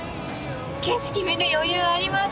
景色見る余裕あります。